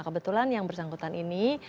kebetulan yang bersangkutan ini